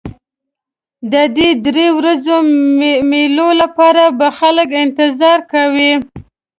د دې درې ورځو مېلو لپاره به خلکو انتظار کاوه.